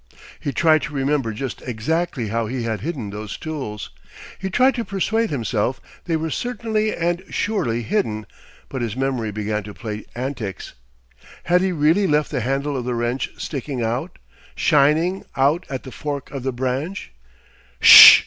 He tried to remember just exactly how he had hidden those tools. He tried to persuade himself they were certainly and surely hidden, but his memory began to play antics. Had he really left the handle of the wrench sticking out, shining out at the fork of the branch? Ssh!